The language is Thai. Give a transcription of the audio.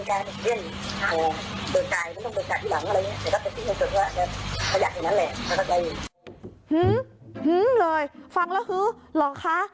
เลยฟังแล้วฮือหรอคะ